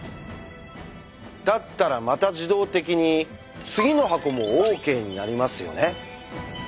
だったらまた自動的に「次の箱もＯＫ！」になりますよね。